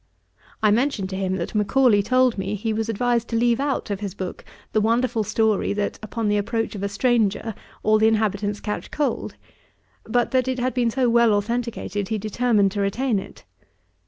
I mentioned to him that Macaulay told me, he was advised to leave out of his book the wonderful story that upon the approach of a stranger all the inhabitants catch cold; but that it had been so well authenticated, he determined to retain it.